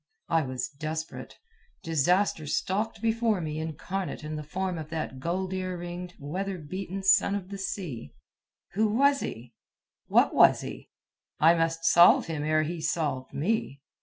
I was desperate. Disaster stalked before me incarnate in the form of that gold ear ringed, weather beaten son of the sea. Who was he? What was he? I must solve him ere he solved me.